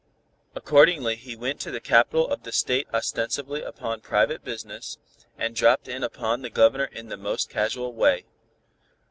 Accordingly he went to the capital of the State ostensibly upon private business, and dropped in upon the Governor in the most casual way.